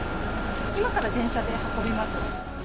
今から電車で運びます。